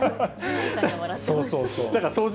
そうそうそう。